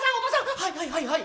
「はいはいはいはい。